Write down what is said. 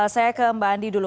saya ke mbak andi dulu